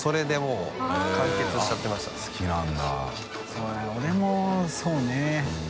そうだ俺もそうね。